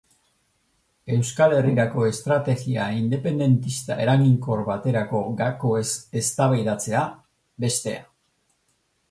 Euskal Herrirako estrategia independentista eraginkor baterako gakoez eztabaidatzea, bestea.